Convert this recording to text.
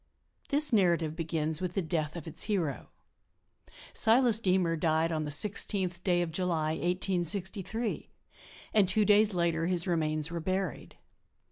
This narrative begins with the death of its hero. Silas Deemer died on the 16th day of July, 1863, and two days later his remains were buried.